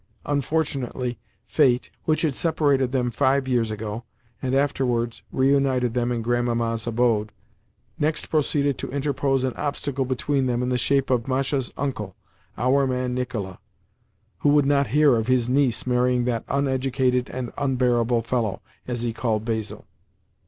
Unfortunately, fate, which had separated them five years ago, and afterwards reunited them in Grandmamma's abode, next proceeded to interpose an obstacle between them in the shape of Masha's uncle, our man Nicola, who would not hear of his niece marrying that "uneducated and unbearable fellow," as he called Basil.